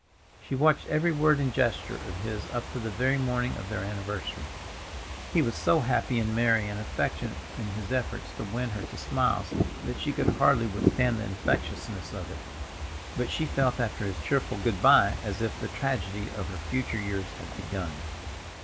She watched every word and gesture of his up to the very morning of their anniversary. He was so happy and merry and affectionate in his efforts to win her to smiles that she could hardly withstand the infectiousness of it. But she felt after his cheerful good by as if the tragedy of her future years had begun.